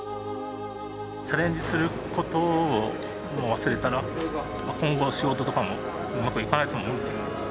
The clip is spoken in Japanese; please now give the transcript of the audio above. チャレンジすることを忘れたら今後仕事とかもうまくいかないと思うんで。